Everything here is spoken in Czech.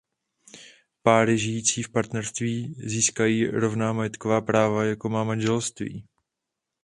Páry žijící v partnerství získají rovná majetková práva jako má manželství.